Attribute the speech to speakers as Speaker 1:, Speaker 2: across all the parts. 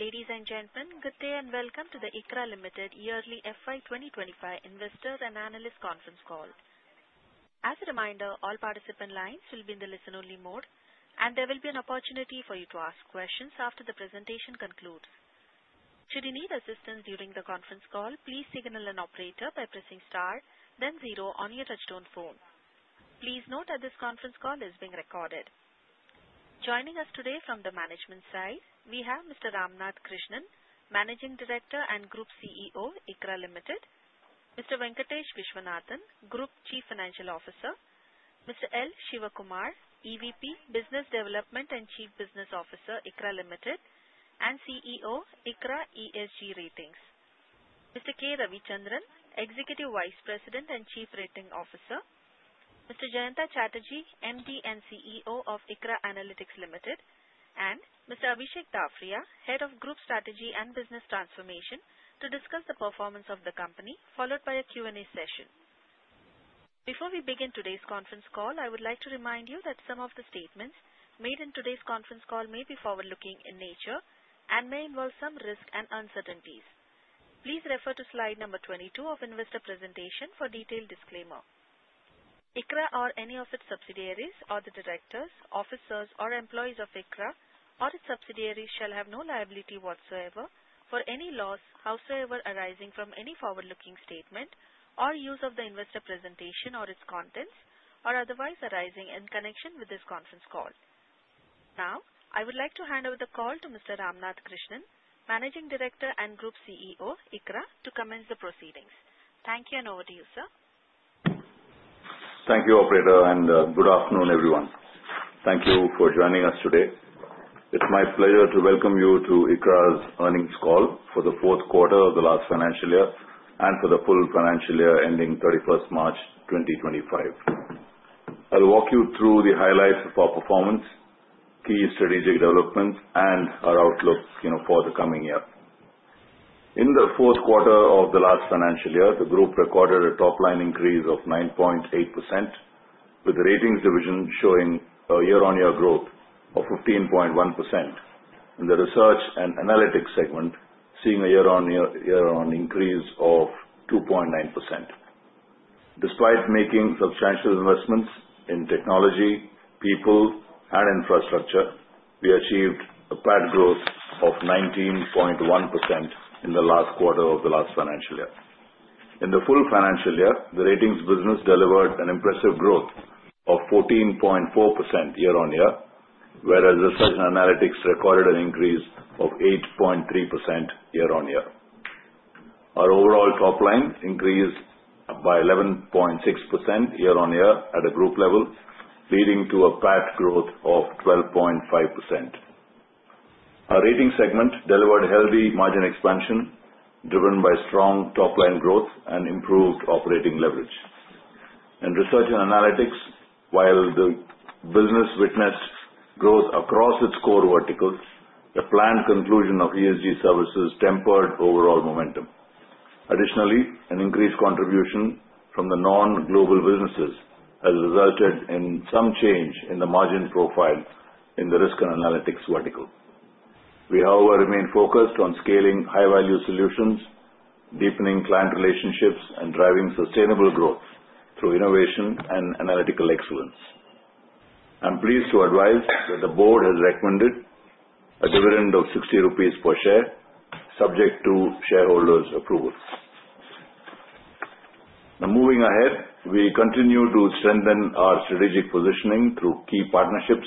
Speaker 1: Ladies and gentlemen, good day and welcome to the ICRA Limited yearly FY 2025 Investors and Analysts Conference Call. As a reminder, all participant lines will be in the listen-only mode, and there will be an opportunity for you to ask questions after the presentation concludes. Should you need assistance during the conference call, please signal an operator by pressing star, then zero on your touch-tone phone. Please note that this conference call is being recorded. Joining us today from the management side, we have Mr. Ramnath Krishnan, Managing Director and Group CEO, ICRA Limited, Mr. Venkatesh Viswanathan, Group Chief Financial Officer, Mr. L. Shivakumar, EVP, Business Development and Chief Business Officer, ICRA Limited, and CEO, ICRA ESG Ratings, Mr. K. Ravichandran, Executive Vice President and Chief Rating Officer, Mr. Jayanta Chatterjee, MD and CEO of ICRA Analytics Limited, and Mr. Abhishek Dafria, Head of Group Strategy and Business Transformation, to discuss the performance of the company, followed by a Q&A session. Before we begin today's conference call, I would like to remind you that some of the statements made in today's conference call may be forward-looking in nature and may involve some risks and uncertainties Please refer to slide number 22 of the investor presentation for a detailed disclaimer. ICRA or any of its subsidiaries, or the directors, officers, or employees of ICRA, or its subsidiaries shall have no liability whatsoever for any loss howsoever arising from any forward-looking statement or use of the investor presentation or its contents, or otherwise arising in connection with this conference call. Now, I would like to hand over the call to Mr. Ramnath Krishnan, Managing Director and Group CEO, ICRA, to commence the proceedings. Thank you, and over to you, sir.
Speaker 2: Thank you, Operator, and good afternoon, everyone. Thank you for joining us today. It's my pleasure to welcome you to ICRA's earnings call for the fourth quarter of the last financial year and for the full financial year ending 31st March 2025. I'll walk you through the highlights of our performance, key strategic developments, and our outlook for the coming year. In the fourth quarter of the last financial year, the group recorded a top-line increase of 9.8%, with the ratings division showing a year-on-year growth of 15.1%, and the research and analytics segment seeing a year-on-year increase of 2.9%. Despite making substantial investments in technology, people, and infrastructure, we achieved a PAT growth of 19.1% in the last quarter of the last financial year. In the full financial year, the ratings business delivered an impressive growth of 14.4% year-on-year, whereas research and analytics recorded an increase of 8.3% year-on-year. Our overall top-line increased by 11.6% year-on-year at a group level, leading to a PAT growth of 12.5%. Our rating segment delivered healthy margin expansion driven by strong top-line growth and improved operating leverage. In research and analytics, while the business witnessed growth across its core verticals, the planned conclusion of ESG services tempered overall momentum. Additionally, an increased contribution from the non-global businesses has resulted in some change in the margin profile in the risk and analytics vertical. We, however, remain focused on scaling high-value solutions, deepening client relationships, and driving sustainable growth through innovation and analytical excellence. I'm pleased to advise that the board has recommended a dividend of 60 rupees per share, subject to shareholders' approval. Now, moving ahead, we continue to strengthen our strategic positioning through key partnerships.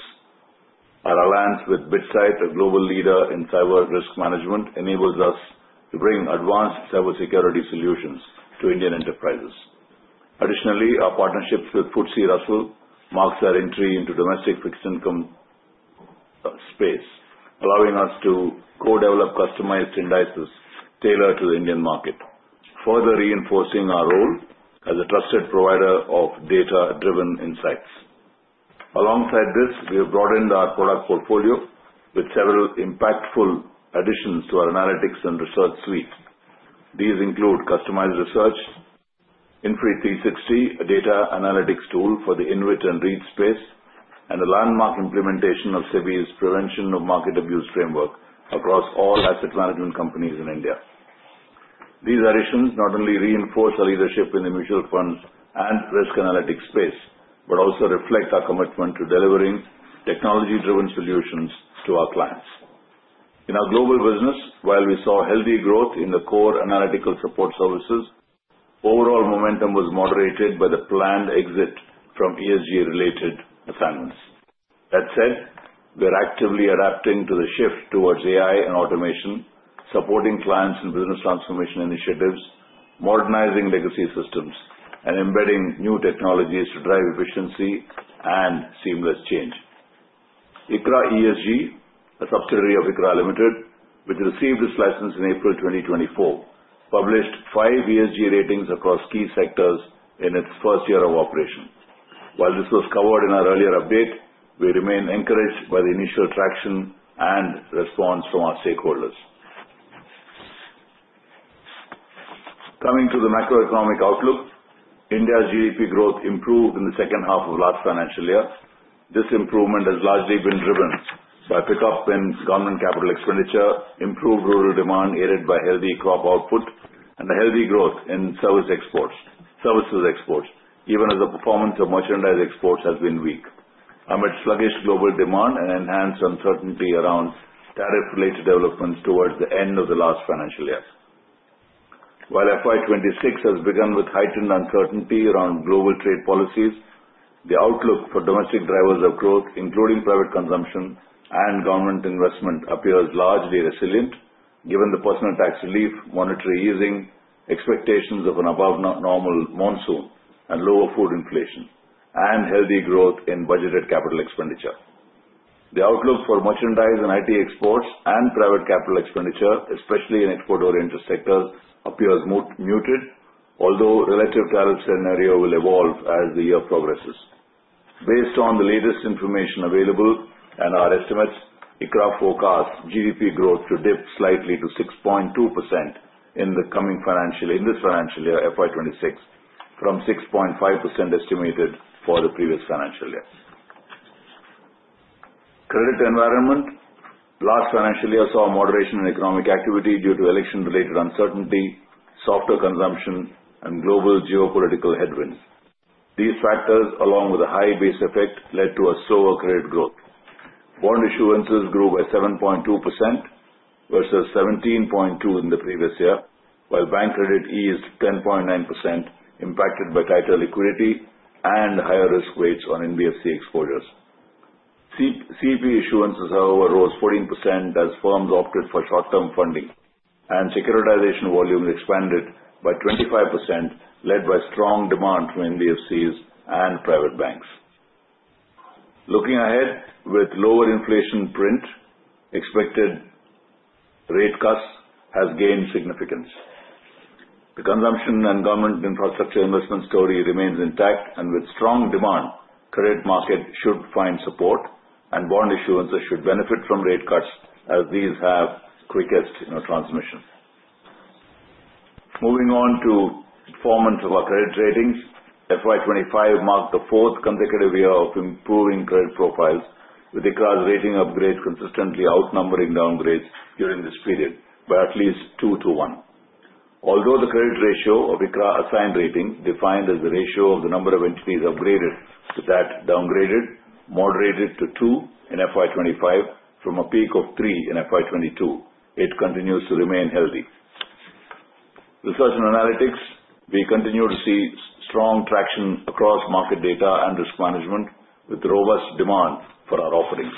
Speaker 2: Our alliance with BitSight, a global leader in cyber risk management, enables us to bring advanced cybersecurity solutions to Indian enterprises. Additionally, our partnerships with FTSE Russell marks our entry into the domestic fixed-income space, allowing us to co-develop customized indices tailored to the Indian market, further reinforcing our role as a trusted provider of data-driven insights. Alongside this, we have broadened our product portfolio with several impactful additions to our analytics and research suite. These include customized research, InfRE360, a data analytics tool for the InvIT and REIT space, and a landmark implementation of SEBI's prevention of market abuse framework across all asset management companies in India. These additions not only reinforce our leadership in the mutual funds and risk analytics space but also reflect our commitment to delivering technology-driven solutions to our clients. In our global business, while we saw healthy growth in the core analytical support services, overall momentum was moderated by the planned exit from ESG-related assignments. That said, we are actively adapting to the shift towards AI and automation, supporting clients in business transformation initiatives, modernizing legacy systems, and embedding new technologies to drive efficiency and seamless change. ICRA ESG, a subsidiary of ICRA Limited, which received its license in April 2024, published five ESG ratings across key sectors in its first year of operation. While this was covered in our earlier update, we remain encouraged by the initial traction and response from our stakeholders. Coming to the macroeconomic outlook, India's GDP growth improved in the second half of the last financial year. This improvement has largely been driven by pickup in government capital expenditure, improved rural demand aided by healthy crop output, and a healthy growth in services exports, even as the performance of merchandise exports has been weak amid sluggish global demand and enhanced uncertainty around tariff-related developments towards the end of the last financial year. While FY 2026 has begun with heightened uncertainty around global trade policies, the outlook for domestic drivers of growth, including private consumption and government investment, appears largely resilient given the personal tax relief, monetary easing, expectations of an above-normal monsoon, and lower food inflation, and healthy growth in budgeted capital expenditure. The outlook for merchandise and IT exports and private capital expenditure, especially in export-oriented sectors, appears muted, although the relative tariff scenario will evolve as the year progresses. Based on the latest information available and our estimates, ICRA forecasts GDP growth to dip slightly to 6.2% in this financial year FY 2026 from 6.5% estimated for the previous financial year. Credit environment: last financial year saw a moderation in economic activity due to election-related uncertainty, softer consumption, and global geopolitical headwinds. These factors, along with a high base effect, led to a slower credit growth. Bond issuances grew by 7.2% versus 17.2% in the previous year, while bank credit eased 10.9%, impacted by tighter liquidity and higher risk weights on NBFC exposures. CP issuances, however, rose 14% as firms opted for short-term funding, and securitization volumes expanded by 25%, led by strong demand from NBFCs and private banks. Looking ahead, with lower inflation print, expected rate cuts have gained significance. The consumption and government infrastructure investment story remains intact, and with strong demand, credit markets should find support, and bond issuances should benefit from rate cuts as these have the quickest transmission. Moving on to performance of our credit ratings, FY 2025 marked the fourth consecutive year of improving credit profiles, with ICRA's rating upgrades consistently outnumbering downgrades during this period by at least two to one. Although the credit ratio of ICRA-assigned ratings, defined as the ratio of the number of entities upgraded to that downgraded, moderated to two in FY 2025 from a peak of three in FY 2022, it continues to remain healthy. Research and analytics: we continue to see strong traction across market data and risk management, with robust demand for our offerings.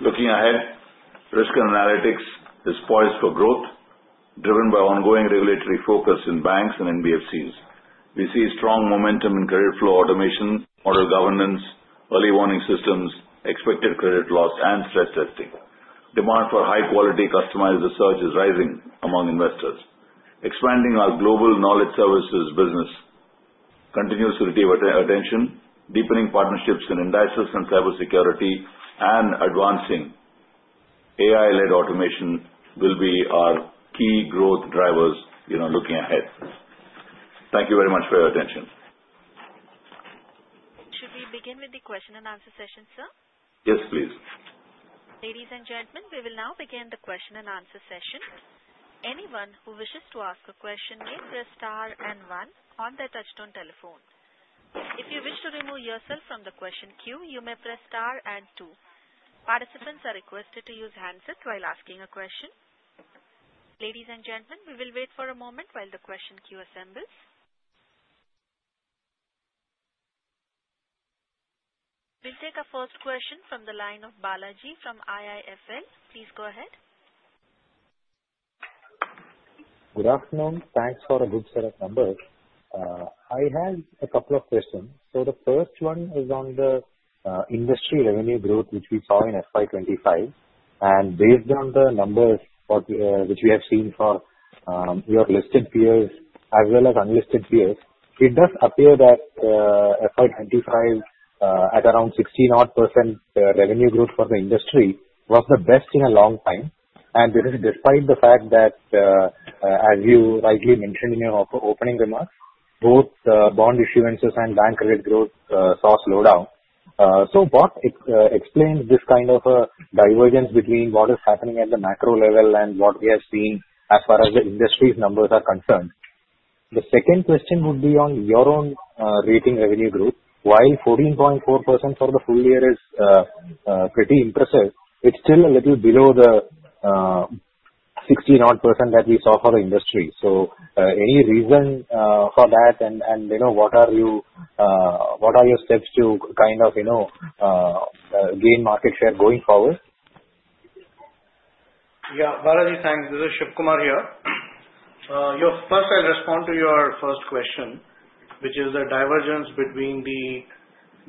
Speaker 2: Looking ahead, risk and analytics is poised for growth, driven by ongoing regulatory focus in banks and NBFCs. We see strong momentum in credit flow automation, model governance, early warning systems, expected credit loss, and stress testing. Demand for high-quality customized research is rising among investors. Expanding our global knowledge services business continues to receive attention. Deepening partnerships in indices and cybersecurity and advancing AI-led automation will be our key growth drivers looking ahead. Thank you very much for your attention.
Speaker 1: Should we begin with the question and answer session, sir?
Speaker 2: Yes, please.
Speaker 1: Ladies and gentlemen, we will now begin the question and answer session. Anyone who wishes to ask a question may press star and one on their touch-tone telephone. If you wish to remove yourself from the question queue, you may press star and two. Participants are requested to use handsets while asking a question. Ladies and gentlemen, we will wait for a moment while the question queue assembles. We'll take our first question from the line of Balaji from IIFL. Please go ahead.
Speaker 3: Good afternoon. Thanks for a good set of numbers. I have a couple of questions. So the first one is on the industry revenue growth, which we saw in FY 2025. And based on the numbers which we have seen for your listed peers as well as unlisted peers, it does appear that FY 2025, at around 16-odd% revenue growth for the industry, was the best in a long time. And despite the fact that, as you rightly mentioned in your opening remarks, both bond issuances and bank credit growth saw a slowdown. So what explains this kind of a divergence between what is happening at the macro level and what we have seen as far as the industry's numbers are concerned? The second question would be on your own rating revenue growth. While 14.4% for the full year is pretty impressive, it's still a little below the 16-odd% that we saw for the industry. So any reason for that? And what are your steps to kind of gain market share going forward?
Speaker 4: Yeah, Balaji. Thanks. This is Shivakumar here. First, I'll respond to your first question, which is a divergence between the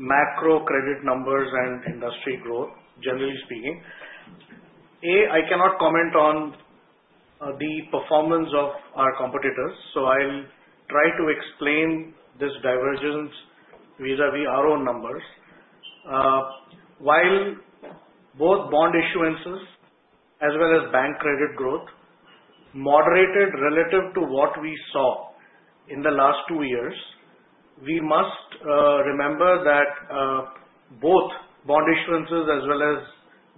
Speaker 4: macro credit numbers and industry growth, generally speaking. I cannot comment on the performance of our competitors, so I'll try to explain this divergence vis-à-vis our own numbers. While both bond issuances as well as bank credit growth moderated relative to what we saw in the last two years, we must remember that both bond issuances as well as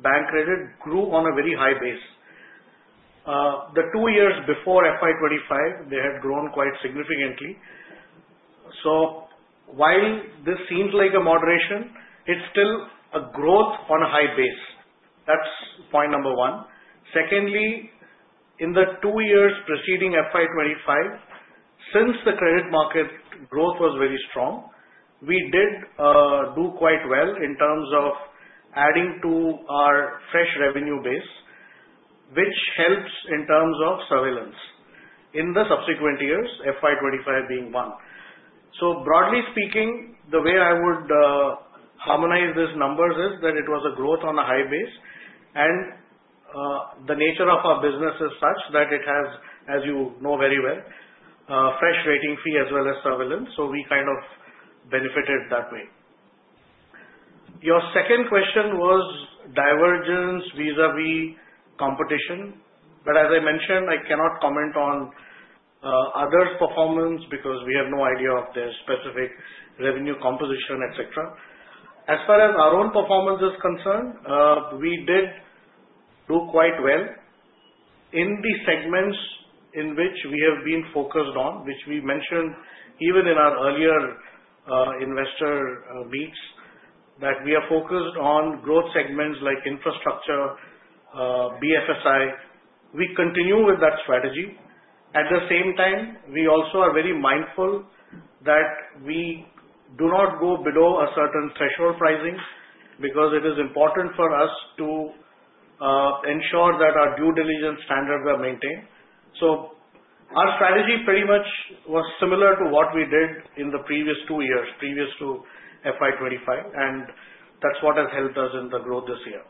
Speaker 4: bank credit grew on a very high base. The two years before FY 2025, they had grown quite significantly. So while this seems like a moderation, it's still a growth on a high base. That's point number one. Secondly, in the two years preceding FY 2025, since the credit market growth was very strong, we did do quite well in terms of adding to our fresh revenue base, which helps in terms of surveillance in the subsequent years, FY 2025 being one. So broadly speaking, the way I would harmonize these numbers is that it was a growth on a high base, and the nature of our business is such that it has, as you know very well, fresh rating fee as well as surveillance, so we kind of benefited that way. Your second question was divergence vis-à-vis competition, but as I mentioned, I cannot comment on others' performance because we have no idea of their specific revenue composition, etc. As far as our own performance is concerned, we did do quite well in the segments in which we have been focused on, which we mentioned even in our earlier investor meets, that we are focused on growth segments like infrastructure, BFSI. We continue with that strategy. At the same time, we also are very mindful that we do not go below a certain threshold pricing because it is important for us to ensure that our due diligence standards are maintained, so our strategy pretty much was similar to what we did in the previous two years, previous to FY 20 25, and that's what has helped us in the growth this year.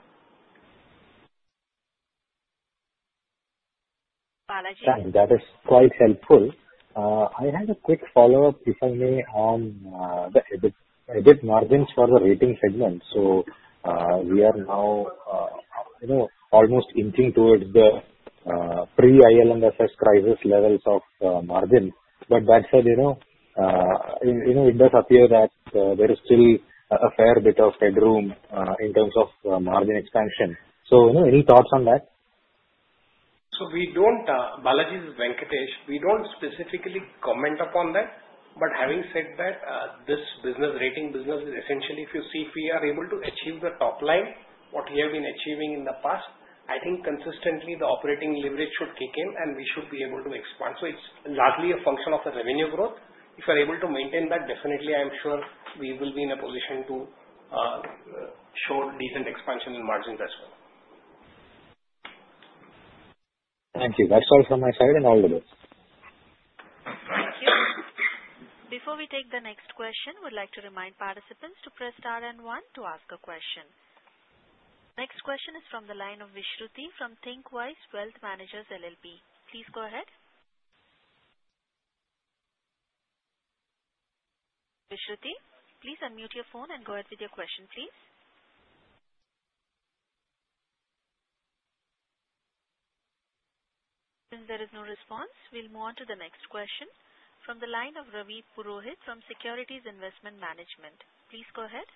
Speaker 1: Balaji?
Speaker 3: That is quite helpful. I had a quick follow-up, if I may, on the EBIT margins for the rating segment, so we are now almost inching towards the pre-IL&FS crisis levels of margin, but that said, it does appear that there is still a fair bit of headroom in terms of margin expansion, so any thoughts on that?
Speaker 5: So, Balaji, Venkatesh, we don't specifically comment upon that. But having said that, this business rating business is essentially, if you see, if we are able to achieve the top line, what we have been achieving in the past, I think consistently the operating leverage should kick in, and we should be able to expand. So it's largely a function of the revenue growth. If we're able to maintain that, definitely, I'm sure we will be in a position to show decent expansion in margins as well.
Speaker 3: Thank you. That's all from my side and all the best.
Speaker 1: Thank you. Before we take the next question, we'd like to remind participants to press star and one to ask a question. Next question is from the line of Vishruti from Thinqwise Wealth Managers LLP. Please go ahead. Vishruti, please unmute your phone and go ahead with your question, please. Since there is no response, we'll move on to the next question from the line of Ravi Purohit from Securities Investment Management. Please go ahead.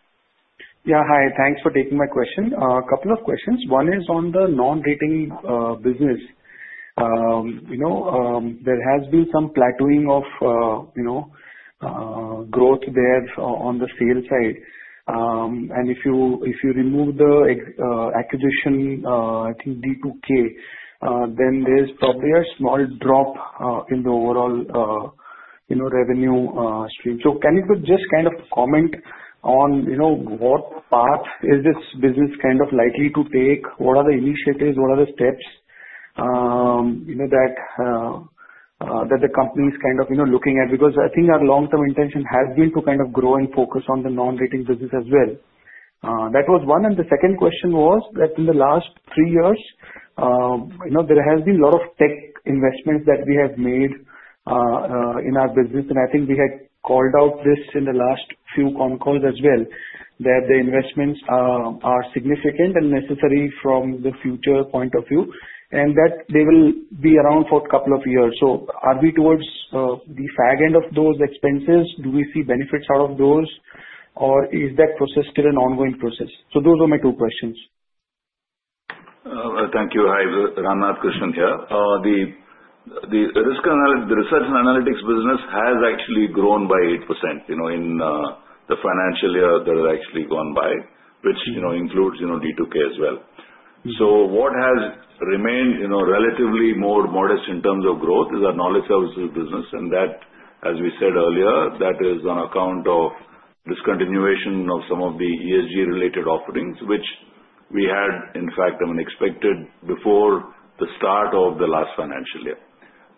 Speaker 6: Yeah, hi. Thanks for taking my question. A couple of questions. One is on the non-rating business. There has been some plateauing of growth there on the sales side. And if you remove the acquisition, I think, D2K, then there's probably a small drop in the overall revenue stream. So can you just kind of comment on what path is this business kind of likely to take? What are the initiatives? What are the steps that the company is kind of looking at? Because I think our long-term intention has been to kind of grow and focus on the non-rating business as well. That was one. And the second question was that in the last three years, there has been a lot of tech investments that we have made in our business. I think we had called out this in the last few con calls as well, that the investments are significant and necessary from the future point of view, and that they will be around for a couple of years. So are we towards the fag end of those expenses? Do we see benefits out of those? Or is that process still an ongoing process? So those are my two questions.
Speaker 2: Thank you. I have a question here. The research and analytics business has actually grown by 8% in the financial year that has actually gone by, which includes D2K as well. So what has remained relatively more modest in terms of growth is our knowledge services business. And that, as we said earlier, is on account of discontinuation of some of the ESG-related offerings, which we had, in fact, expected before the start of the last financial year.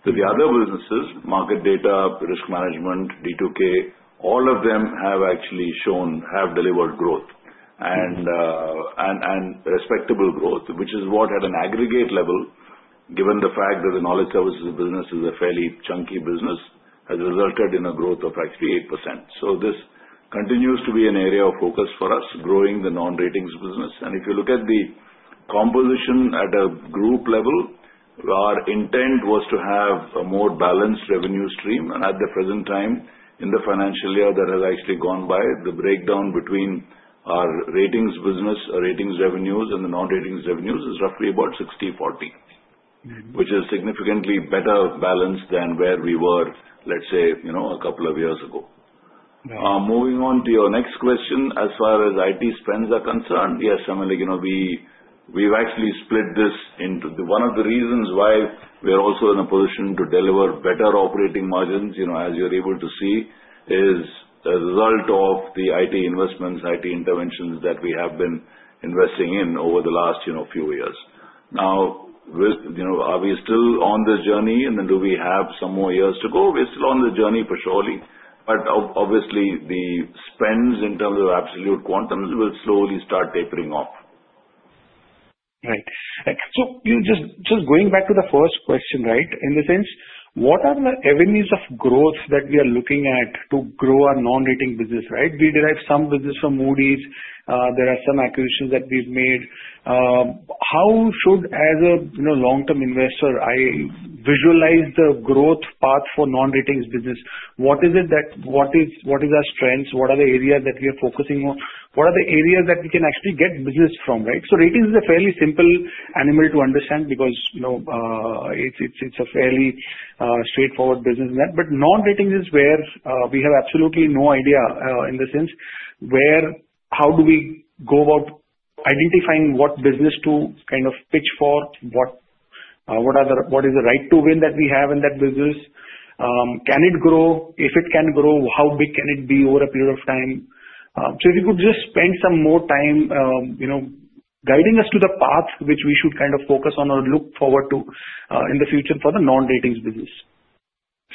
Speaker 2: So the other businesses, market data, risk management, D2K, all of them have actually shown, have delivered growth and respectable growth, which is what, at an aggregate level, given the fact that the knowledge services business is a fairly chunky business, has resulted in a growth of actually 8%. So this continues to be an area of focus for us, growing the non-ratings business. If you look at the composition at a group level, our intent was to have a more balanced revenue stream. At the present time, in the financial year that has actually gone by, the breakdown between our ratings business, ratings revenues, and the non-ratings revenues is roughly about 60%-40%, which is significantly better balanced than where we were, let's say, a couple of years ago. Moving on to your next question, as far as IT spends are concerned, yes, Amelie, we've actually split this into one of the reasons why we're also in a position to deliver better operating margins, as you're able to see, is a result of the IT investments, IT interventions that we have been investing in over the last few years. Now, are we still on the journey, and then do we have some more years to go? We're still on the journey for surely. But obviously, the spends in terms of absolute quantums will slowly start tapering off.
Speaker 6: Right, so just going back to the first question, right, in the sense, what are the avenues of growth that we are looking at to grow our non-rating business? Right? We derived some business from Moody's. There are some acquisitions that we've made. How should, as a long-term investor, I visualize the growth path for non-ratings business? What is it that is our strengths? What are the areas that we are focusing on? What are the areas that we can actually get business from? Right, so rating is a fairly simple animal to understand because it's a fairly straightforward business in that, but non-ratings is where we have absolutely no idea in the sense where how do we go about identifying what business to kind of pitch for? What is the right to win that we have in that business? Can it grow? If it can grow, how big can it be over a period of time? So if you could just spend some more time guiding us to the path which we should kind of focus on or look forward to in the future for the non-ratings business.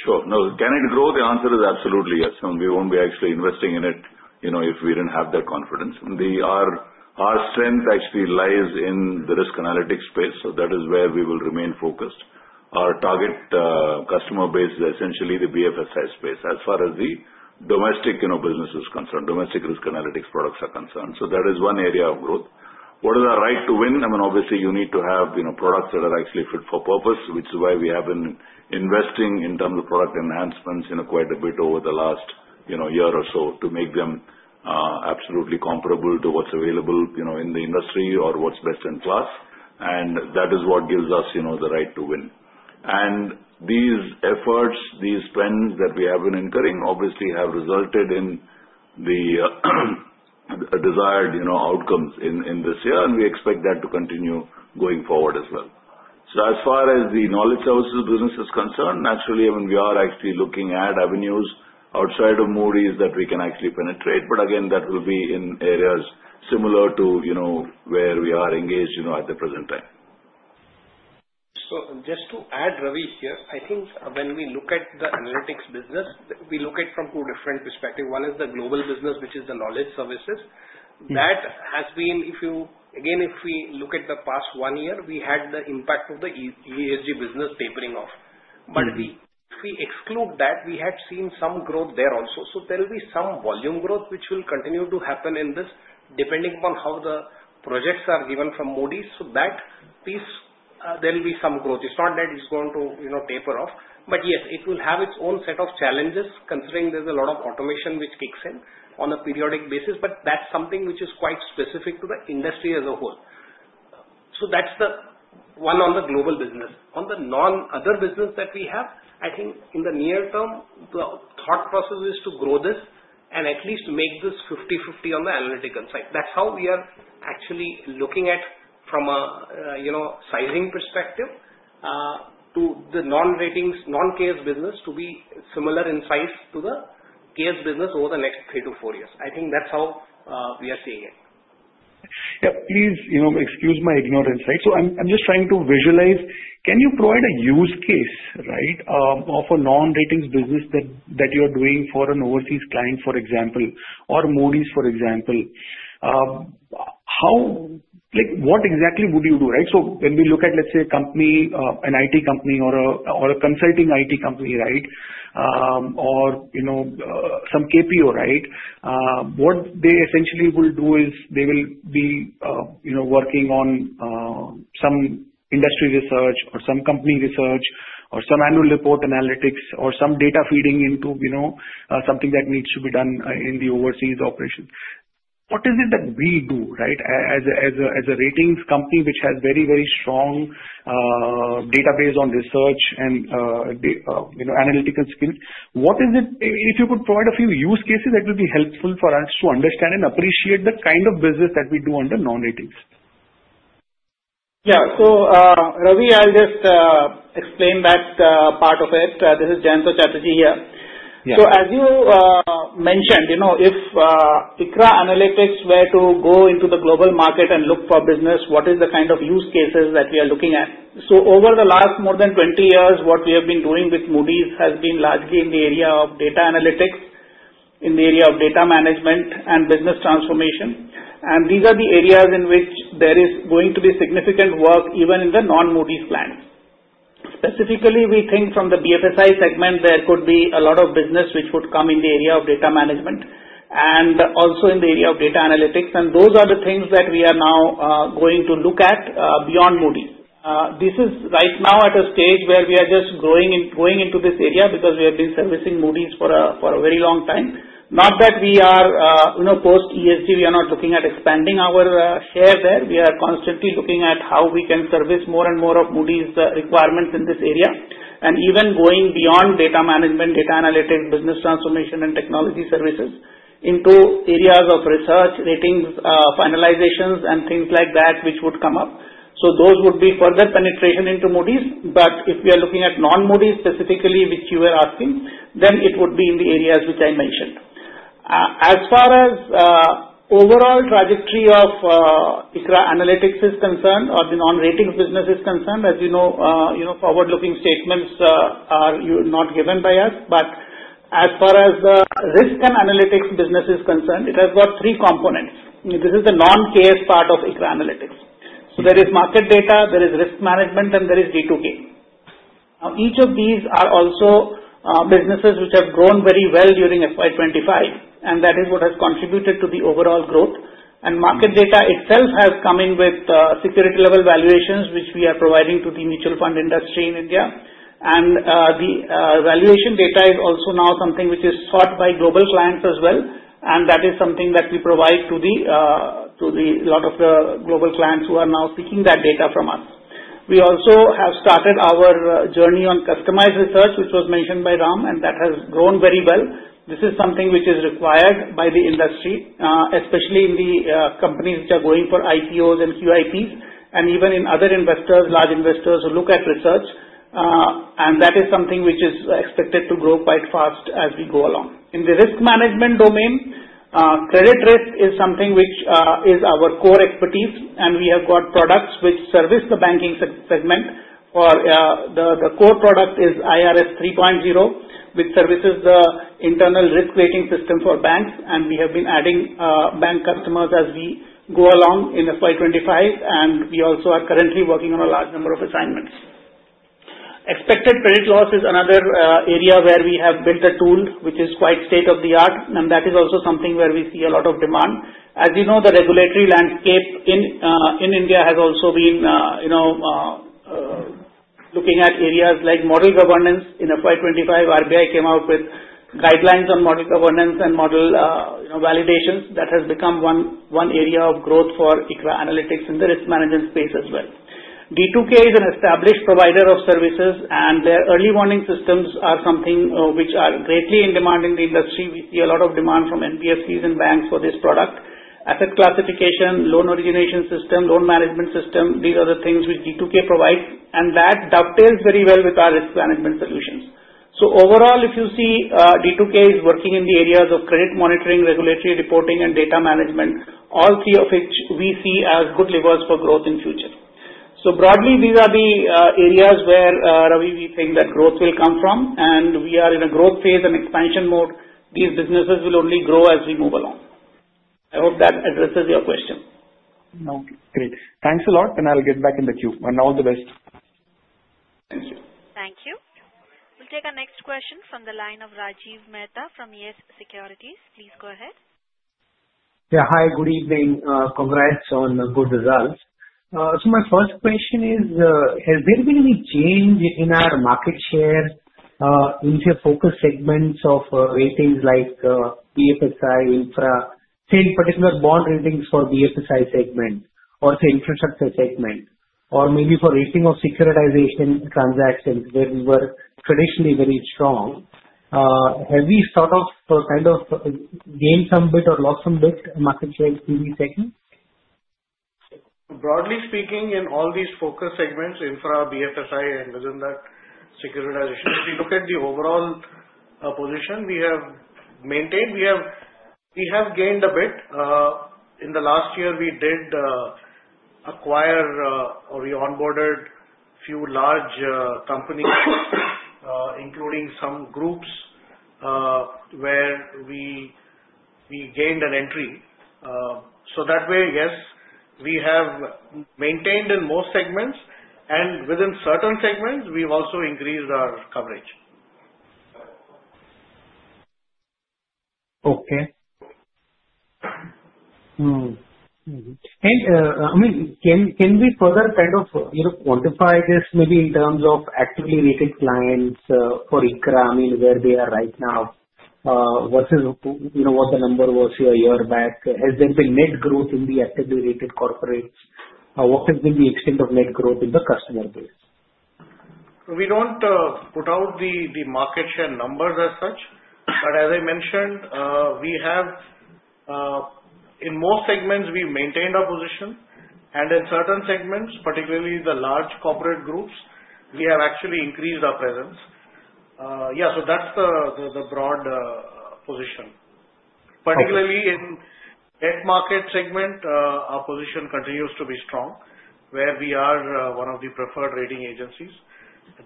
Speaker 2: Sure. No, can it grow? The answer is absolutely yes. And we won't be actually investing in it if we didn't have that confidence. Our strength actually lies in the risk analytics space. So that is where we will remain focused. Our target customer base is essentially the BFSI space as far as the domestic business is concerned, domestic risk analytics products are concerned. So that is one area of growth. What is our right to win? I mean, obviously, you need to have products that are actually fit for purpose, which is why we have been investing in terms of product enhancements quite a bit over the last year or so to make them absolutely comparable to what's available in the industry or what's best in class. And that is what gives us the right to win. These efforts, these spends that we have been incurring, obviously have resulted in the desired outcomes in this year. We expect that to continue going forward as well. As far as the knowledge services business is concerned, naturally, I mean, we are actually looking at avenues outside of Moody's that we can actually penetrate. Again, that will be in areas similar to where we are engaged at the present time.
Speaker 5: So just to add, Ravi here, I think when we look at the analytics business, we look at it from two different perspectives. One is the global business, which is the knowledge services. That has been, again, if we look at the past one year, we had the impact of the ESG business tapering off. But if we exclude that, we had seen some growth there also. So there will be some volume growth, which will continue to happen in this depending upon how the projects are given from Moody's. So that piece, there will be some growth. It's not that it's going to taper off. But yes, it will have its own set of challenges considering there's a lot of automation which kicks in on a periodic basis. But that's something which is quite specific to the industry as a whole. So that's the one on the global business. On the other business that we have, I think in the near term, the thought process is to grow this and at least make this 50-50 on the analytical side. That's how we are actually looking at from a sizing perspective to the non-ratings, non-CASE business to be similar in size to the CASE business over the next three to four years. I think that's how we are seeing it.
Speaker 6: Yeah. Please excuse my ignorance. Right? So I'm just trying to visualize. Can you provide a use case, right, of a non-ratings business that you're doing for an overseas client, for example, or Moody's, for example? What exactly would you do? Right? So when we look at, let's say, an IT company or a consulting IT company, right, or some KPO, right, what they essentially will do is they will be working on some industry research or some company research or some annual report analytics or some data feeding into something that needs to be done in the overseas operation. What is it that we do, right, as a ratings company which has a very, very strong database on research and analytical skills? What is it? If you could provide a few use cases, that would be helpful for us to understand and appreciate the kind of business that we do under non-ratings.
Speaker 7: Yeah. So Ravi, I'll just explain that part of it. This is Jayanta Chatterjee here. So as you mentioned, if ICRA Analytics were to go into the global market and look for business, what is the kind of use cases that we are looking at? So over the last more than 20 years, what we have been doing with Moody's has been largely in the area of data analytics, in the area of data management and business transformation. And these are the areas in which there is going to be significant work even in the non-Moody's clients. Specifically, we think from the BFSI segment, there could be a lot of business which would come in the area of data management and also in the area of data analytics. And those are the things that we are now going to look at beyond Moody's. This is right now at a stage where we are just growing into this area because we have been servicing Moody's for a very long time. Not that we are post-ESG, we are not looking at expanding our share there. We are constantly looking at how we can service more and more of Moody's requirements in this area, and even going beyond data management, data analytics, business transformation, and technology services into areas of research, ratings, finalizations, and things like that which would come up, so those would be further penetration into Moody's, but if we are looking at non-Moody's specifically, which you were asking, then it would be in the areas which I mentioned. As far as overall trajectory of ICRA Analytics is concerned or the non-ratings business is concerned, as you know, forward-looking statements are not given by us. But as far as the risk and analytics business is concerned, it has got three components. This is the non-CASE part of ICRA Analytics. So there is market data, there is risk management, and there is D2K. Now, each of these are also businesses which have grown very well during FY 2025. And that is what has contributed to the overall growth. And market data itself has come in with security-level valuations, which we are providing to the mutual fund industry in India. And the valuation data is also now something which is sought by global clients as well. And that is something that we provide to a lot of the global clients who are now seeking that data from us. We also have started our journey on customized research, which was mentioned by Ram, and that has grown very well. This is something which is required by the industry, especially in the companies which are going for IPOs and QIPs and even in other investors, large investors who look at research. And that is something which is expected to grow quite fast as we go along. In the risk management domain, credit risk is something which is our core expertise. And we have got products which service the banking segment. The core product is iRAS 3.0, which services the internal risk rating system for banks. And we have been adding bank customers as we go along in FY 2025. And we also are currently working on a large number of assignments. Expected credit loss is another area where we have built a tool which is quite state-of-the-art. And that is also something where we see a lot of demand. As you know, the regulatory landscape in India has also been looking at areas like model governance. In FY 2025, RBI came out with guidelines on model governance and model validations. That has become one area of growth for ICRA Analytics in the risk management space as well. D2K is an established provider of services, and their early warning systems are something which are greatly in demand in the industry. We see a lot of demand from NBFCs and banks for this product: asset classification, loan origination system, loan management system. These are the things which D2K provides, and that dovetails very well with our risk management solutions, so overall, if you see, D2K is working in the areas of credit monitoring, regulatory reporting, and data management, all three of which we see as good levers for growth in the future. So broadly, these are the areas where, Ravi, we think that growth will come from. And we are in a growth phase and expansion mode. These businesses will only grow as we move along. I hope that addresses your question.
Speaker 6: No. Great. Thanks a lot. And I'll get back in the queue. And all the best.
Speaker 7: Thank you.
Speaker 1: Thank you. We'll take our next question from the line of Rajiv Mehta from YES Securities. Please go ahead.
Speaker 8: Yeah. Hi. Good evening. Congrats on the good results. So my first question is, has there been any change in our market share in the focus segments of ratings like BFSI, infra, say, in particular, bond ratings for BFSI segment or the infrastructure segment or maybe for rating of securitization transactions where we were traditionally very strong? Have we sort of kind of gained some bit or lost some bit in market share in these segments?
Speaker 4: Broadly speaking, in all these focus segments, ICRA, BFSI, and within that, securitization, if you look at the overall position we have maintained, we have gained a bit. In the last year, we did acquire or we onboarded a few large companies, including some groups where we gained an entry. So that way, yes, we have maintained in most segments. And within certain segments, we've also increased our coverage.
Speaker 8: Okay, and I mean, can we further kind of quantify this maybe in terms of actively rated clients for ICRA? I mean, where they are right now versus what the number was a year back? Has there been net growth in the actively rated corporates? What has been the extent of net growth in the customer base?
Speaker 4: So we don't put out the market share numbers as such. But as I mentioned, in most segments, we've maintained our position. And in certain segments, particularly the large corporate groups, we have actually increased our presence. Yeah. So that's the broad position. Particularly in the debt market segment, our position continues to be strong where we are one of the preferred rating agencies.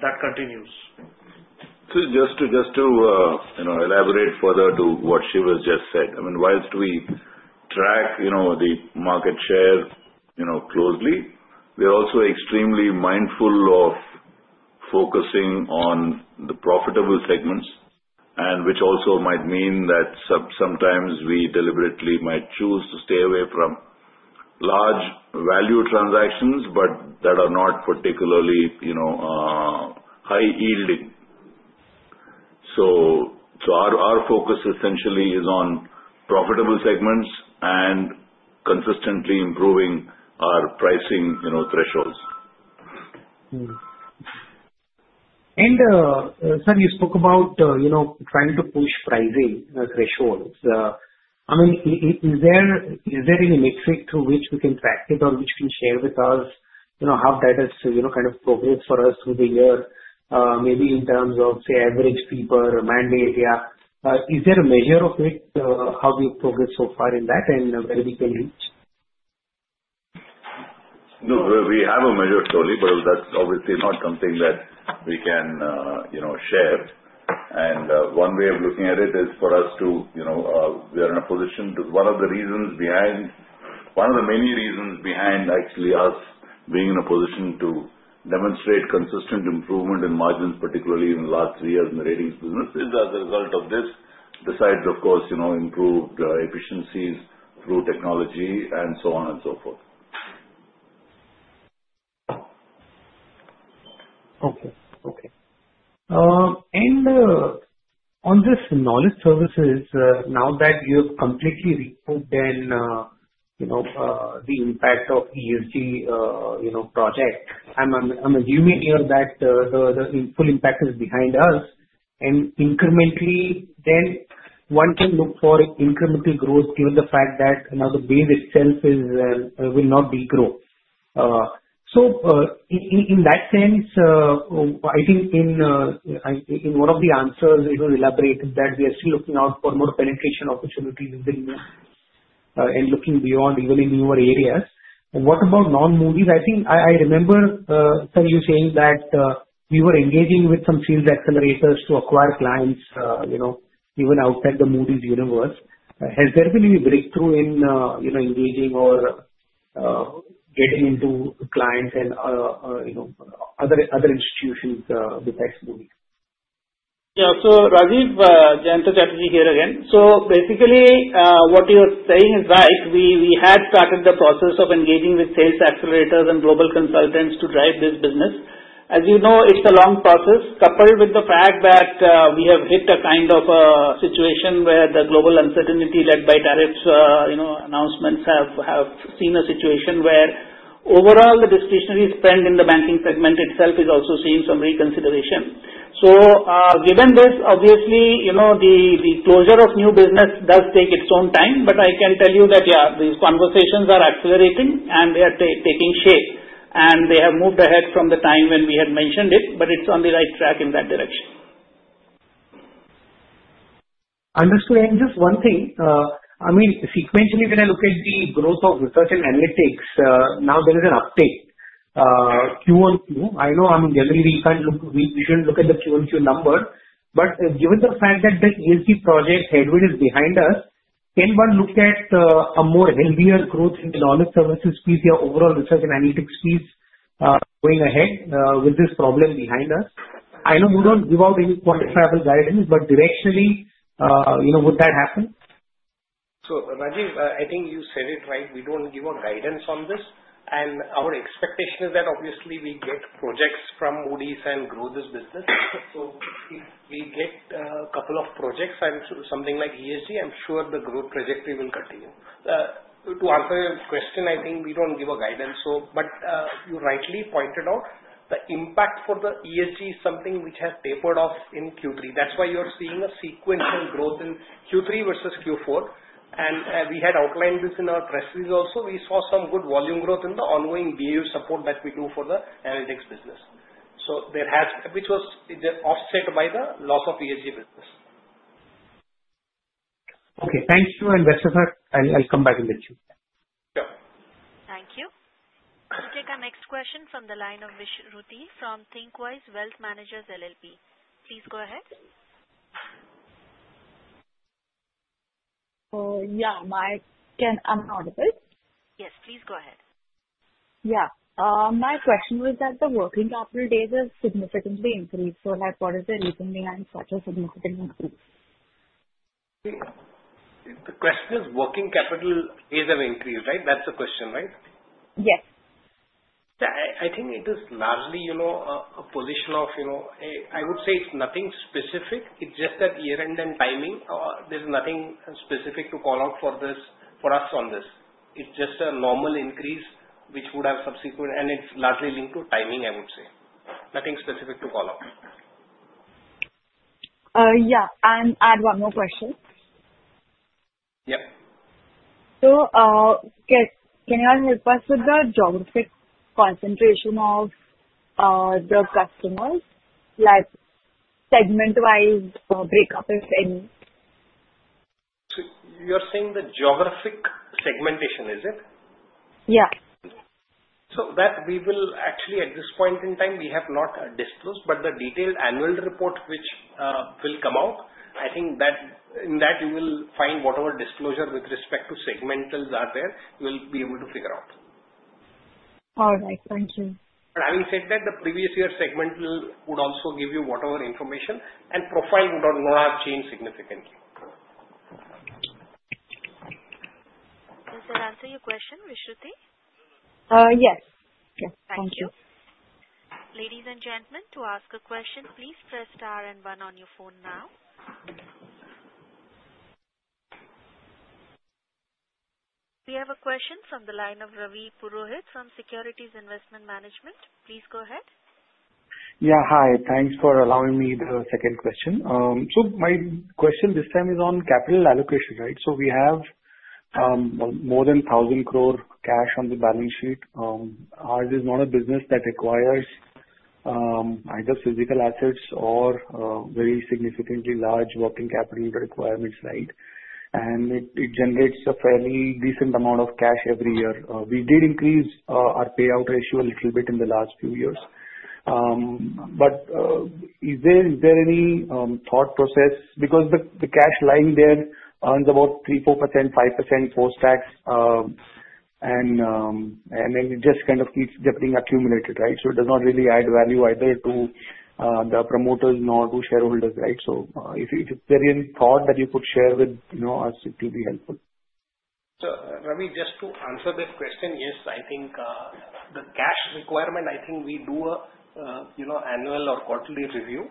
Speaker 4: That continues.
Speaker 2: Just to elaborate further on what she just said, I mean, while we track the market share closely, we are also extremely mindful of focusing on the profitable segments, which also might mean that sometimes we deliberately might choose to stay away from large value transactions but that are not particularly high-yielding. So our focus essentially is on profitable segments and consistently improving our pricing thresholds.
Speaker 8: Sir, you spoke about trying to push pricing thresholds. I mean, is there any metric through which we can track it or which can share with us how that has kind of progressed for us through the year, maybe in terms of, say, average fee per mandate? Yeah. Is there a measure of it, how we've progressed so far in that and where we can reach?
Speaker 2: No. We have a measure, surely. But that's obviously not something that we can share. And one way of looking at it is, we are in a position to. One of the many reasons behind, actually, us being in a position to demonstrate consistent improvement in margins, particularly in the last three years in the ratings business, is as a result of this, besides, of course, improved efficiencies through technology and so on and so forth.
Speaker 8: Okay. Okay. And on this knowledge services, now that you have completely recouped, then, the impact of the ESG project, I'm assuming here that the full impact is behind us. And incrementally, then one can look for incremental growth given the fact that the business itself will not degrowth. So in that sense, I think in one of the answers, it was elaborated that we are still looking out for more penetration opportunities and looking beyond even in newer areas. What about non-Moody's? I think I remember, sir, you saying that you were engaging with some deal accelerators to acquire clients even outside the Moody's universe. Has there been any breakthrough in engaging or getting into clients and other institutions besides Moody's?
Speaker 7: Yeah. So Rajiv, Jayanta Chatterjee here again. So basically, what you're saying is right. We had started the process of engaging with sales accelerators and global consultants to drive this business. As you know, it's a long process coupled with the fact that we have hit a kind of a situation where the global uncertainty led by tariffs announcements have seen a situation where overall the discretionary spend in the banking segment itself is also seeing some reconsideration. So given this, obviously, the closure of new business does take its own time. But I can tell you that, yeah, these conversations are accelerating and they are taking shape. And they have moved ahead from the time when we had mentioned it. But it's on the right track in that direction.
Speaker 8: Understood. And just one thing. I mean, sequentially, when I look at the growth of research and analytics, now there is an uptake, Q1Q. I know, I mean, generally, we shouldn't look at the Q1Q number. But given the fact that the ESG project headwind is behind us, can one look at a more healthier growth in the knowledge services piece, your overall research and analytics piece going ahead with this problem behind us? I know we don't give out any quantifiable guidance, but directionally, would that happen?
Speaker 5: So, Rajiv, I think you said it right. We don't give a guidance on this. And our expectation is that obviously we get projects from Moody's and grow this business. So if we get a couple of projects and something like ESG, I'm sure the growth trajectory will continue. To answer your question, I think we don't give a guidance. But you rightly pointed out the impact for the ESG is something which has tapered off in Q3. That's why you're seeing a sequential growth in Q3 versus Q4. And we had outlined this in our press release also. We saw some good volume growth in the ongoing BAU support that we do for the analytics business, which was offset by the loss of ESG business.
Speaker 8: Okay. Thank you, and best of luck. I'll come back and meet you.
Speaker 4: Sure.
Speaker 1: Thank you. We'll take our next question from the line of Vishuruti from Thinqwise Wealth Managers LLP. Please go ahead.
Speaker 9: Yeah. I'm audible.
Speaker 1: Yes. Please go ahead.
Speaker 9: Yeah. My question was that the working capital days have significantly increased. So I apologize. Recently, I'm such a significant increase.
Speaker 5: The question is working capital days have increased, right? That's the question, right?
Speaker 9: Yes.
Speaker 5: I think it is largely a position of I would say it's nothing specific. It's just that year-end and timing. There's nothing specific to call out for us on this. It's just a normal increase which would have subsequent and it's largely linked to timing, I would say. Nothing specific to call out.
Speaker 9: Yeah. I'll add one more question.
Speaker 5: Yeah.
Speaker 9: So can you all help us with the geographic concentration of the customers, like segment-wise breakup, if any?
Speaker 5: So you're saying the geographic segmentation, is it?
Speaker 9: Yeah.
Speaker 5: So that we will actually, at this point in time, we have not disclosed. But the detailed annual report which will come out, I think that in that, you will find whatever disclosure with respect to segmentals are there. You will be able to figure out.
Speaker 9: All right. Thank you.
Speaker 5: But having said that, the previous year segmental would also give you whatever information. And profile would not have changed significantly.
Speaker 1: Does that answer your question, Vishuruti?
Speaker 9: Yes. Yes. Thank you.
Speaker 1: Ladies and gentlemen, to ask a question, please press star and one on your phone now. We have a question from the line of Ravi Purohit from Securities Investment Management. Please go ahead.
Speaker 6: Yeah. Hi. Thanks for allowing me the second question. So my question this time is on capital allocation, right? So we have more than 1,000 crore cash on the balance sheet. Ours is not a business that requires either physical assets or very significantly large working capital requirements, right? And it generates a fairly decent amount of cash every year. We did increase our payout ratio a little bit in the last few years. But is there any thought process because the cash lying there earns about 3, 4%, 5% post-tax, and then it just kind of keeps getting accumulated, right? So it does not really add value either to the promoters nor to shareholders, right? So if there is any thought that you could share with us, it would be helpful.
Speaker 5: So, Ravi, just to answer that question, yes, I think the cash requirement. I think we do an annual or quarterly review.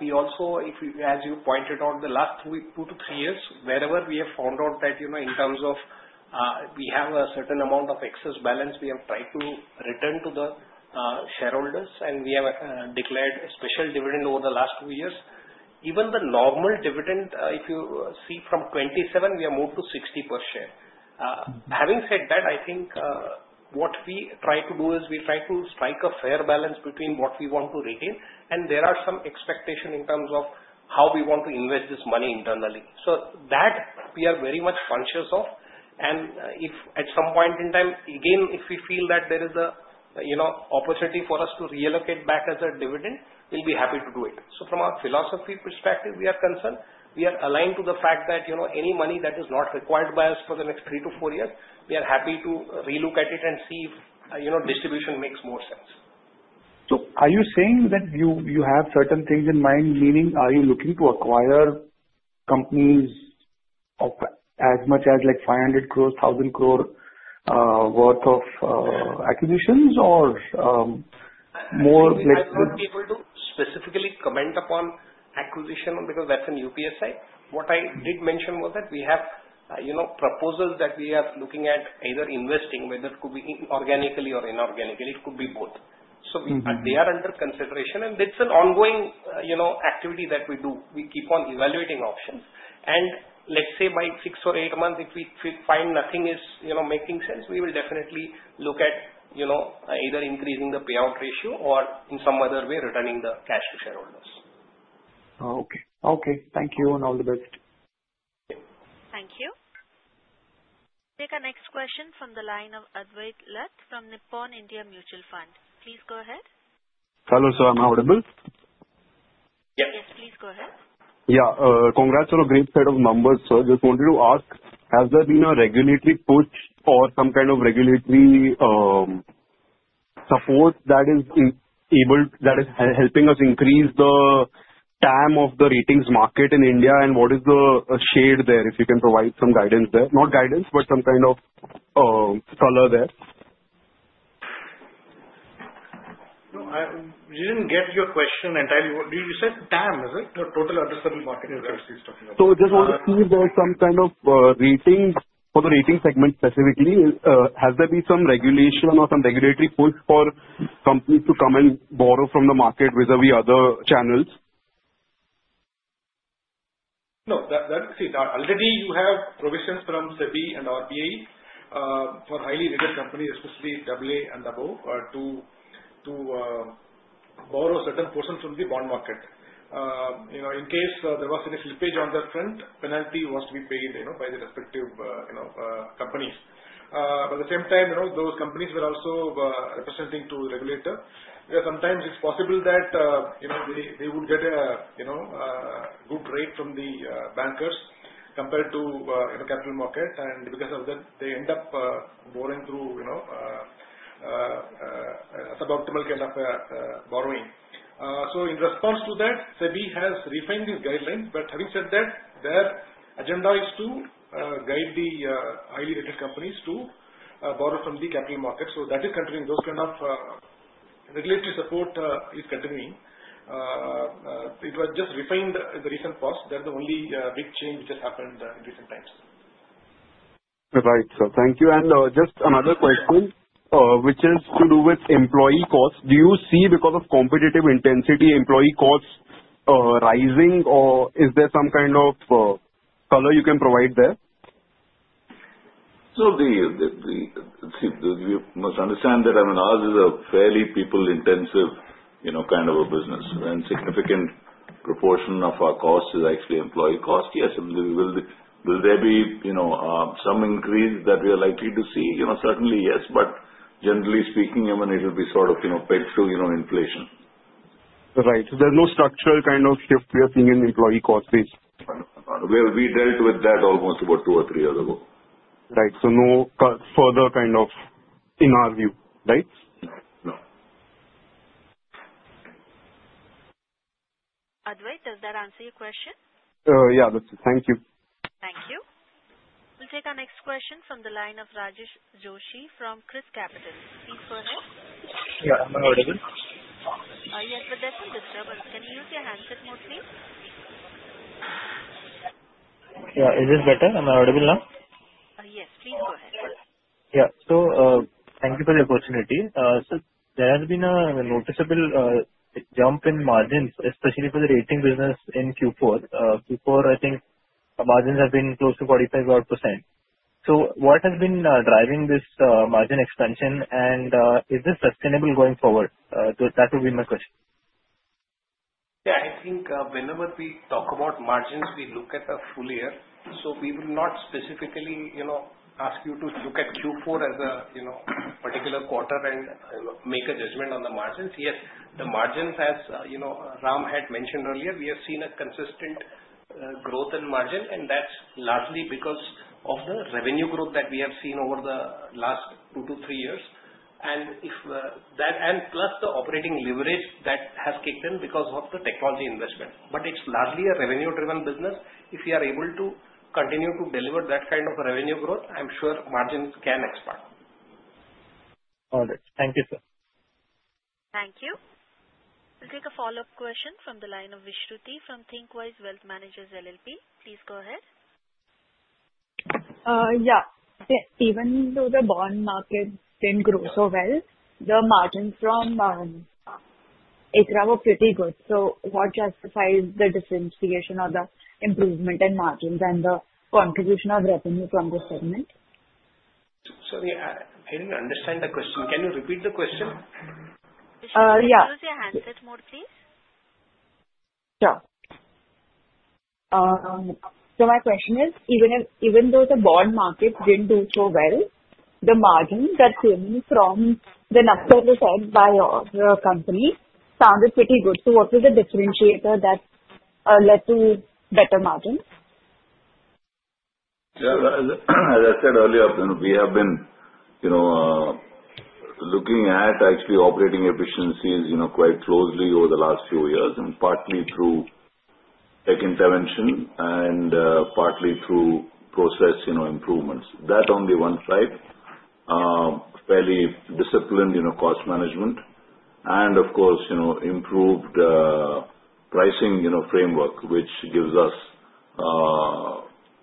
Speaker 5: We also, as you pointed out, the last two to three years, wherever we have found out that in terms of we have a certain amount of excess balance, we have tried to return to the shareholders. And we have declared a special dividend over the last two years. Even the normal dividend, if you see from 27, we have moved to 60 per share. Having said that, I think what we try to do is we try to strike a fair balance between what we want to retain. And there are some expectations in terms of how we want to invest this money internally. So that we are very much conscious of. And if at some point in time, again, if we feel that there is an opportunity for us to reallocate back as a dividend, we'll be happy to do it. So from our philosophy perspective, we are concerned. We are aligned to the fact that any money that is not required by us for the next three to four years, we are happy to relook at it and see if distribution makes more sense.
Speaker 6: So are you saying that you have certain things in mind, meaning are you looking to acquire companies as much as like 500 crore, 1,000 crore worth of acquisitions or more?
Speaker 5: I'm not able to specifically comment upon acquisition because that's an UPSI. What I did mention was that we have proposals that we are looking at either investing, whether it could be organically or inorganically. It could be both, so they are under consideration and it's an ongoing activity that we do. We keep on evaluating options and let's say by six or eight months, if we find nothing is making sense, we will definitely look at either increasing the payout ratio or in some other way, returning the cash to shareholders.
Speaker 6: Okay. Okay. Thank you and all the best.
Speaker 5: Thank you.
Speaker 1: Thank you. We'll take our next question from the line of Advait Lath from Nippon India Mutual Fund. Please go ahead.
Speaker 10: Hello, sir. I'm audible?
Speaker 5: Yes.
Speaker 1: Yes. Please go ahead.
Speaker 10: Yeah. Congrats on a great set of numbers, sir. Just wanted to ask, has there been a regulatory push or some kind of regulatory support that is helping us increase the TAM of the ratings market in India? And what is the shape there, if you can provide some guidance there? Not guidance, but some kind of color there.
Speaker 5: You didn't get your question entirely. You said TAM, is it? Total Addressable Market talking about.
Speaker 10: So just want to see if there's some kind of rating for the rating segment specifically. Has there been some regulation or some regulatory push for companies to come and borrow from the market with other channels?
Speaker 5: No. Already, you have provisions from SEBI and RBI for highly rated companies, especially AA and above, to borrow certain portions from the bond market. In case there was any slippage on their front, penalty was to be paid by the respective companies, but at the same time, those companies were also representing to the regulator. Sometimes it's possible that they would get a good rate from the bankers compared to the capital market, and because of that, they end up borrowing through a suboptimal kind of borrowing, so in response to that, SEBI has refined these guidelines, but having said that, their agenda is to guide the highly rated companies to borrow from the capital market, so that is continuing. Those kind of regulatory support is continuing. It was just refined in the recent past. That's the only big change which has happened in recent times.
Speaker 10: Right, so thank you and just another question, which has to do with employee costs. Do you see, because of competitive intensity, employee costs rising, or is there some kind of color you can provide there?
Speaker 11: You must understand that ours is a fairly people-intensive kind of a business. A significant proportion of our cost is actually employee cost. Yes. Will there be some increase that we are likely to see? Certainly, yes. Generally speaking, it will be sort of pegged to inflation.
Speaker 10: Right. So there's no structural kind of shift we are seeing in employee cost base.
Speaker 11: We dealt with that almost about two or three years ago.
Speaker 10: Right. So no further kind of, in our view, right?
Speaker 11: No.
Speaker 1: Advait, does that answer your question?
Speaker 10: Yeah. Thank you.
Speaker 1: Thank you. We'll take our next question from the line of Rajas Joshi from Chrys Capital. Please go ahead.
Speaker 12: Yeah. I'm audible.
Speaker 1: Yes. But there's some disturbance. Can you use your handset mode, please?
Speaker 12: Yeah. Is this better? Am I audible now?
Speaker 1: Yes. Please go ahead.
Speaker 12: Yeah. So thank you for the opportunity. So there has been a noticeable jump in margins, especially for the rating business in Q4. Q4, I think margins have been close to 45%. So what has been driving this margin expansion, and is this sustainable going forward? That would be my question.
Speaker 5: Yeah. I think whenever we talk about margins, we look at a full year. So we will not specifically ask you to look at Q4 as a particular quarter and make a judgment on the margins. Yes. The margins, as Ram had mentioned earlier, we have seen a consistent growth in margin. And that's largely because of the revenue growth that we have seen over the last two to three years. And plus the operating leverage that has kicked in because of the technology investment. But it's largely a revenue-driven business. If we are able to continue to deliver that kind of revenue growth, I'm sure margins can expand.
Speaker 12: All right. Thank you, sir.
Speaker 1: Thank you. We'll take a follow-up question from the line of Ms. Shruti from Thinqwise Wealth Managers LLP. Please go ahead.
Speaker 9: Yeah. Even though the bond market didn't grow so well, the margins from ICRA were pretty good. So what justifies the differentiation or the improvement in margins and the contribution of revenue from the segment?
Speaker 5: Sorry. I didn't understand the question. Can you repeat the question?
Speaker 9: Yeah.
Speaker 1: Show us your handset mode, please.
Speaker 9: Yeah. So my question is, even though the bond market didn't do so well, the margins that came in from the number set by our company sounded pretty good. So what was the differentiator that led to better margins?
Speaker 11: As I said earlier, we have been looking at actually operating efficiencies quite closely over the last few years, partly through tech intervention and partly through process improvements. That on the one side, fairly disciplined cost management. And of course, improved pricing framework, which gives us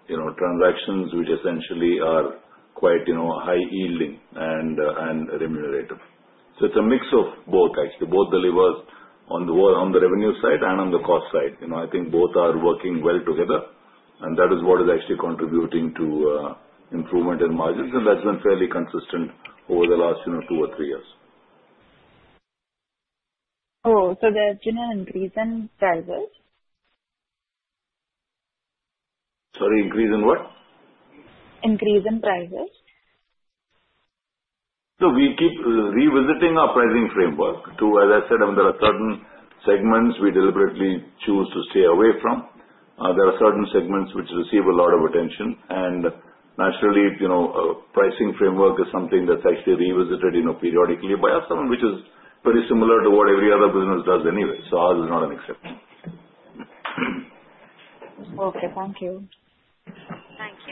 Speaker 11: transactions which essentially are quite high-yielding and remunerative. So it's a mix of both, actually. Both delivers on the revenue side and on the cost side. I think both are working well together. And that is what is actually contributing to improvement in margins. And that's been fairly consistent over the last two or three years.
Speaker 9: Oh. So the general increase in prices?
Speaker 11: Sorry. Increase in what?
Speaker 9: Increase in prices.
Speaker 11: So we keep revisiting our pricing framework to, as I said, there are certain segments we deliberately choose to stay away from. There are certain segments which receive a lot of attention. And naturally, pricing framework is something that's actually revisited periodically by us, which is very similar to what every other business does anyway. So ours is not an exception.
Speaker 9: Okay. Thank you.
Speaker 1: Thank you.